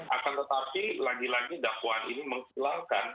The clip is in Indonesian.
akan tetapi lagi lagi dakwaan ini menghilangkan